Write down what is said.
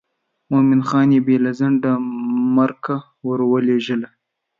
مومن خان بې له ځنډه مرکه ور ولېږله.